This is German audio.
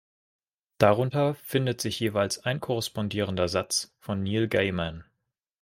Darunter findet sich jeweils ein korrespondierender Satz von Neil Gaiman.